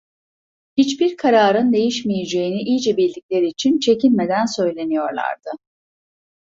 Hiçbir kararın değişmeyeceğini iyice bildikleri için, çekinmeden söyleniyorlardı.